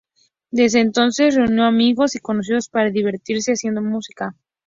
Desde entonces reunió amigos y conocidos para divertirse haciendo música.